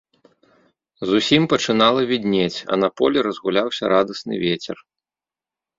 Зусім пачынала віднець, а на полі разгуляўся радасны вецер.